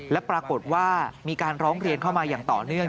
และปรากฏว่ามีการร้องเรียนเข้ามาอย่างต่อเนื่อง